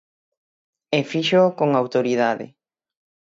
E fíxoo con autoridade.